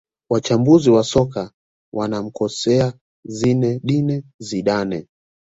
Wachambuzi wa soka wanamkosea Zinedine Zidane